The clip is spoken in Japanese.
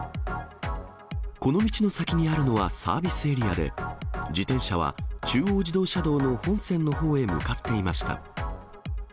この道の先にあるのはサービスエリアで、自転車は中央自動車道の本線のほうへ向かっていました。